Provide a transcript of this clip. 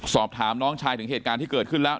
สอบถามน้องชายถึงเหตุการณ์ที่เกิดขึ้นแล้ว